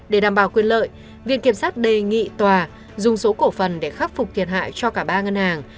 để đảm bảo quyền lợi viện kiểm sát đề nghị tòa dùng số cổ phần để khắc phục thiệt hại cho cả ba ngân hàng